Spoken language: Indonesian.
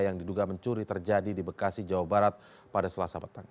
yang diduga mencuri terjadi di bekasi jawa barat pada selasa petang